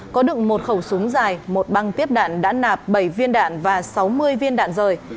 có đựng một khẩu súng dài một băng tiếp đạn đã nạp bảy viên đạn và sáu mươi viên đạn rời